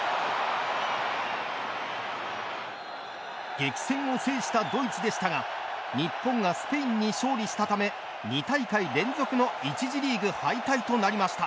激戦を制したドイツでしたが日本がスペインに勝利したため２大会連続の１次リーグ敗退となりました。